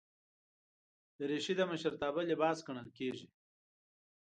دریشي د مشرتابه لباس ګڼل کېږي.